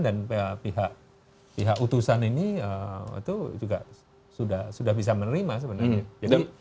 dan pihak utusan ini itu juga sudah bisa menerima sebenarnya